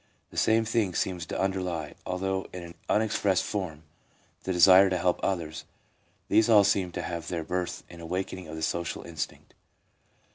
The same thing seems to underlie, although in an unexpressed form, the desire to help others ; these all seem to have their birth in the awakening of the social instinct.